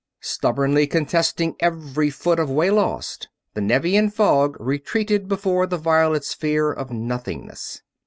Stubbornly contesting every foot of way lost, the Nevian fog retreated before the violet sphere of nothingness.